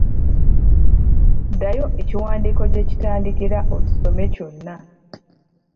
Ddayo ekiwandiiko gye kitandikira okisome kyonna.